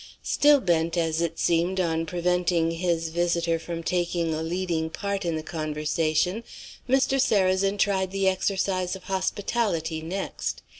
Still bent, as it seemed, on preventing his visitor from taking a leading part in the conversation, Mr. Sarrazin tried the exercise of hospitality next.